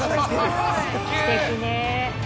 すてきね。